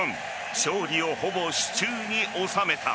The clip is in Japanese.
勝利を、ほぼ手中に収めた。